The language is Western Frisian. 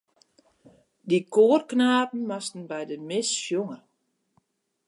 Dy koarknapen moasten by de mis sjonge.